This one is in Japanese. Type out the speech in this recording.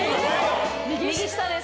右下です。